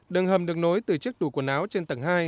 đường hầm được nối từ chiếc tủ quần áo trên tầng hai